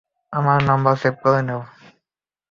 আমার number save করে নাও।